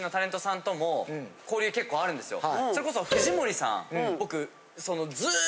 それこそ藤森さん僕。